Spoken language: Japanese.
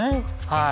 はい。